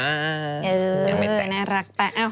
เออน่ารักนะ